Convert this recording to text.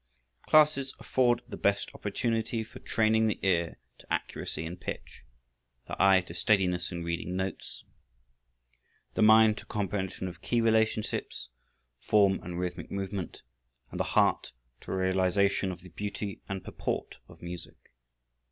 Classes afford the best opportunity for training the ear to accuracy in pitch, the eye to steadiness in reading notes, the mind to comprehension of key relationships, form and rhythmic movement, and the heart to a realization of the beauty and purport of music.